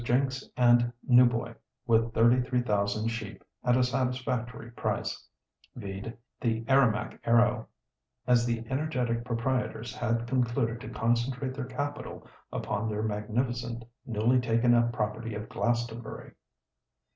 Jinks and Newboy with thirty three thousand sheep at a satisfactory price (vide the Aramac Arrow), as the energetic proprietors had concluded to concentrate their capital upon their magnificent newly taken up property of Glastonbury.